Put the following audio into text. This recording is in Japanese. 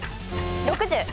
６０。